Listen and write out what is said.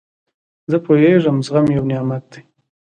زه پوهېږم، چي زغم یو نعمت دئ.